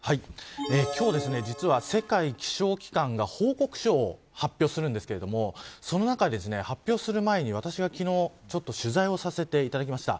今日、実は世界気象機関が報告書を発表するんですがその中で、発表する前に私が昨日、取材をさせていただきました。